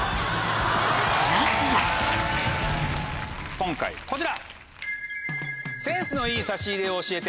今回こちら！